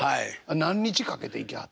何日かけて行きはった？